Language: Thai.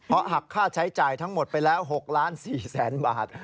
เพราะหักค่าใช้จ่ายทั้งหมดไปแล้ว๖ล้าน๔แสนบาท